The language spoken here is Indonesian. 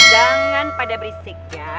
jangan pada berisik ya